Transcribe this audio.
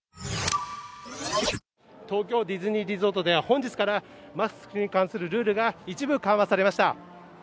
東京ディズニーリゾートでは本日からマスクに関するルールが一部緩和されました。